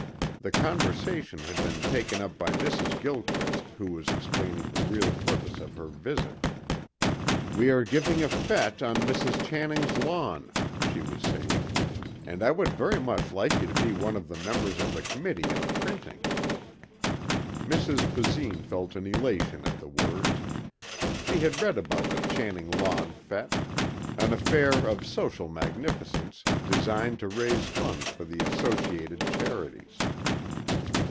The conversation had been taken up by Mrs. Gilchrist who was explaining the real purpose of her visit. "We are giving a fête on Mrs. Channing's lawn," she was saying, "and I would very much like you to be one of the members of the committee on printing." Mrs. Basine felt an elation at the words. She had read about the Channing lawn fête. An affair of social magnificence designed to raise funds for the Associated Charities.